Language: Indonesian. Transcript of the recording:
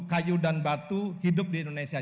kayu dan batu hidup di indonesia